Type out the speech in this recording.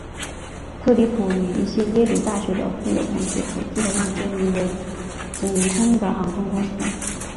特里普与一些耶鲁大学的富有同学投资了一间名为殖民空运的航空公司。